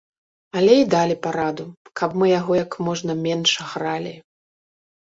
Але і далі параду, каб мы яго як можна менш гралі.